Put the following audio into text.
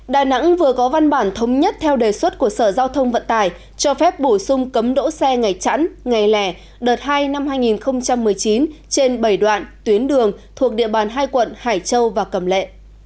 đà nẵng vừa có văn bản thống nhất theo đề xuất của sở giao thông vận tải cho phép bổ sung cấm đỗ xe ngày chẵn ngày lẻ đợt hai năm hai nghìn một mươi chín trên bảy đoạn tuyến đường thuộc địa bàn hai quận hải châu và cầm lệ